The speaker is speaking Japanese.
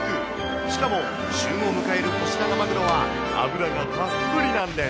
しかも旬を迎えるコシナガマグロは脂がたっぷりなんです。